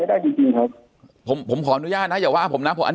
ได้จริงจริงครับผมผมขออนุญาตนะอย่าว่าผมนะผมอัน